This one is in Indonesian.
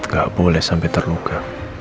gak boleh sampai terluka